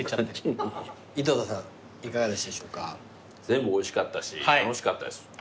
全部おいしかったし楽しかったです。